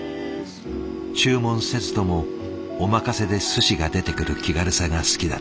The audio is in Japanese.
注文せずともお任せですしが出てくる気軽さが好きだった。